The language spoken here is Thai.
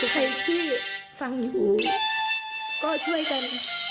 ใครที่ฟังอยู่ก็ช่วยกัน